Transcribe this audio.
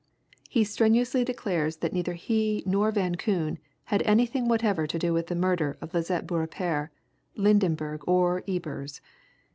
He strenuously declares that neither he nor Van Koon had anything whatever to do with the murder of Lisette Beaurepaire, Lydenberg, or Ebers.